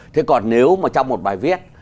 thế còn nếu mà trong một bài viết